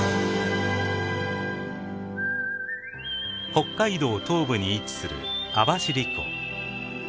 北海道東部に位置する網走湖。